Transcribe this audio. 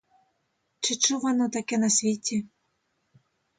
Чи чувано таке на світі?